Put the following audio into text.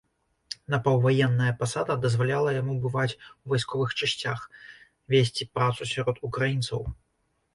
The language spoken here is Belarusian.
Напаўваенная пасада дазваляла яму бываць у вайсковых часцях, весці працу сярод украінцаў.